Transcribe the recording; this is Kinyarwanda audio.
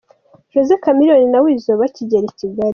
Jose Chameleone na Weasel bakigera i Kigali.